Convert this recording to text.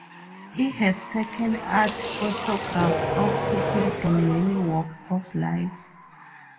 He has taken art photographs of people from many walks of life.